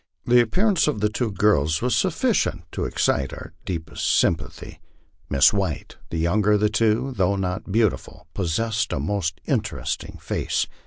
The appearance of the two girls was sufficient to excite our deepest sympathy. Miss White, the younger of the two, though not beautiful, possessed a most in teresting face.